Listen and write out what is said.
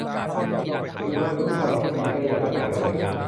จิลรับลูกบอลที่ปีเตอร์โยนมาทางเธอ